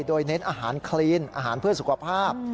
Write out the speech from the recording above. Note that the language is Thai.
โดยเน้นอาหารคลีนอาหารเพื่อสุขภาพ